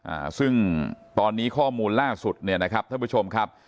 อ่าซึ่งตอนนี้ข้อมูลล่าสุดเนี่ยนะครับท่านผู้ชมครับ